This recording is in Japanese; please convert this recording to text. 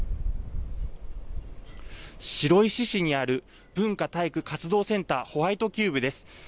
白石市にある文化体育活動センター、ホワイトキューブです。